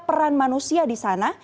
peran manusia di sana